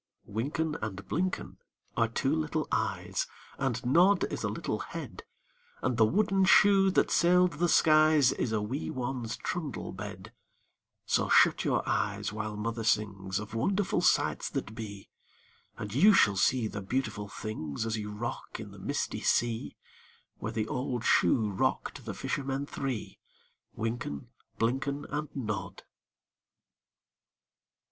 Wynken and Blynken are two little eyes, And Nod is a little head, And the wooden shoe that sailed the skies Is a wee one's trundle bed; So shut your eyes while Mother sings Of wonderful sights that be, And you shall see the beautiful things As you rock on the misty sea Where the old shoe rocked the fishermen three, Wynken, Blynken, And Nod.